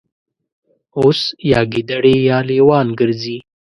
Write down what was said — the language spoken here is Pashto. اوس یا ګیدړې یا لېوان ګرځي